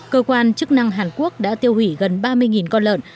cơ quan chức năng hàn quốc đã tiêu hủy gần ba mươi con lợn